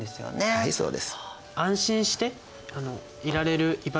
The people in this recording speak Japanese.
はいそうです。